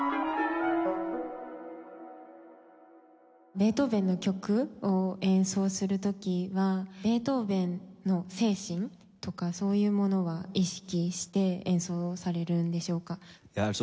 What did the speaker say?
ベートーヴェンの曲を演奏する時はベートーヴェンの精神とかそういうものは意識して演奏されるんでしょうか？